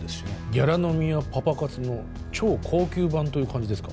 ギャラ飲みやパパ活の超高級版という感じですか